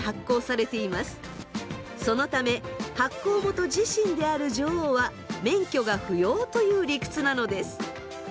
そのため発行元自身である女王は免許が不要という理屈なのです。